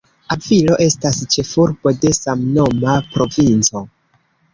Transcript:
Avilo estas ĉefurbo de samnoma provinco.